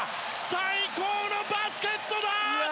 最高のバスケットだ！